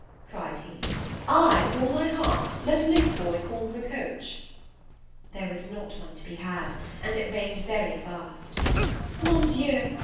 cried he, "ay, with all my heart; let a link boy call her a coach." There was not one to be had, and it rained very fast. "Mon Dieu!"